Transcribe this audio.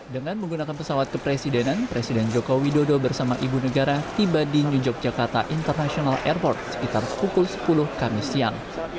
dengan menggunakan pesawat kepresidenan presiden joko widodo bersama ibu negara tiba di new yogyakarta international airport sekitar pukul sepuluh kamis siang